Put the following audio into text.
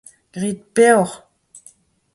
grit peoc'h.